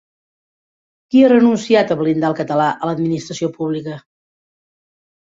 Qui ha renunciat a blindar el català a l'administració pública?